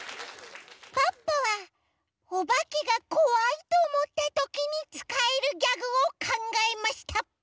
ポッポはおばけがこわいとおもったときにつかえるギャグをかんがえました。